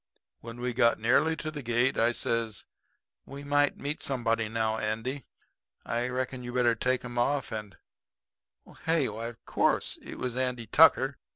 "When we got nearly to the gate, I says: 'We might meet somebody now, Andy. I reckon you better take 'em off, and ' Hey? Why, of course it was Andy Tucker.